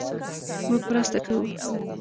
مونږ مرسته کوو